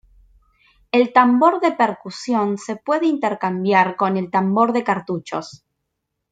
El tambor de percusión se puede intercambiar con el tambor de cartuchos.